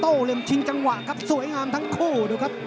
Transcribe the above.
เล็มชิงจังหวะครับสวยงามทั้งคู่ดูครับ